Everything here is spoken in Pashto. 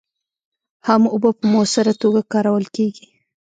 هم اوبه په مؤثره توکه کارول کېږي.